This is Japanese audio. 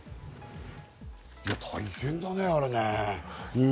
大変だね、あれね。